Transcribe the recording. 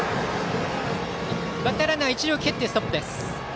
バッターランナーは一塁をけってストップ。